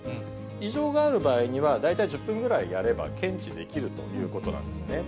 異常がある場合には、大体１０分ぐらいやれば検知できるということなんですね。